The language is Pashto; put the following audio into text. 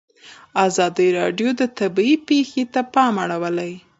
ازادي راډیو د طبیعي پېښې ته پام اړولی.